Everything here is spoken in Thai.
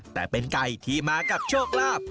แต่เป็นไก่ที่มากับโชคลาภ